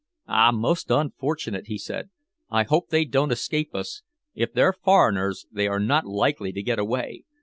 "Ah, most unfortunate!" he said. "I hope they don't escape us. If they're foreigners, they are not likely to get away.